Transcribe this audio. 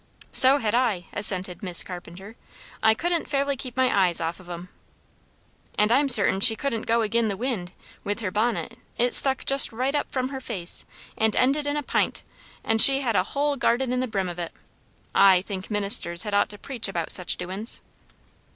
"So had I," assented Miss Carpenter. "I couldn't fairly keep my eyes off of 'em." "And I'm certain she couldn't go agin the wind, with her bonnet; it stuck just right up from her face, and ended in a pint, and she had a hull garden in the brim of it, I think ministers had ought to preach about such doin's."